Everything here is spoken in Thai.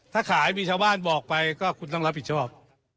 ถ้าขายมีชาวบ้านบอกไปก็คุณต้องรับผิดชอบ